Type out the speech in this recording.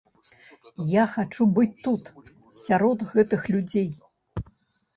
Я хачу быць тут, сярод гэтых людзей.